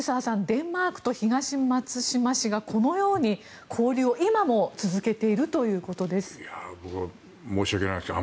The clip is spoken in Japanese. デンマークと東松島市がこのように交流を今も続けているということです。